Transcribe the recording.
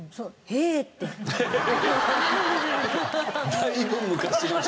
だいぶ昔の人。